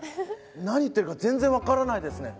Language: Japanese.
何言ってるか全然分からないですね。